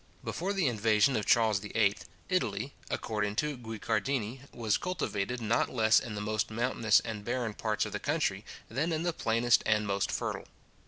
Before the invasion of Charles VIII., Italy, according to Guicciardini, was cultivated not less in the most mountainous and barren parts of the country, than in the plainest and most fertile.